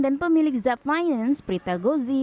dan pemilik zap finance prita gozi